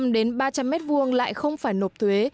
hai trăm linh đến ba trăm linh mét vuông lại không phải nộp thuế